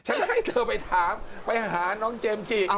ให้เธอไปถามไปหาน้องเจมส์จิ